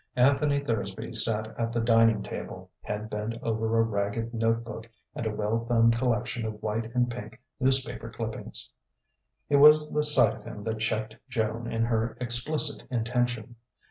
Anthony Thursby sat at the dining table, head bent over a ragged note book and a well thumbed collection of white and pink newspaper clippings. It was the sight of him that checked Joan in her explicit intention.